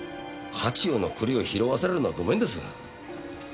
火中の栗を拾わされるのはごめんです。